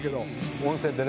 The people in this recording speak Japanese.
温泉でね。